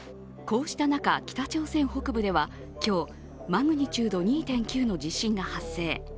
こうした中、北朝鮮北部では今日、マグニチュード２．９の地震が発生。